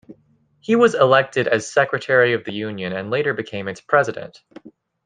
He was elected as secretary of the union and later became its President.